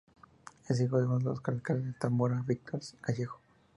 Es hijo de uno de los alcaldes de Zamora Víctor Gallego.